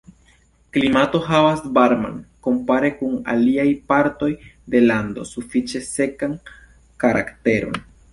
Klimato havas varman, kompare kun aliaj partoj de lando sufiĉe sekan karakteron.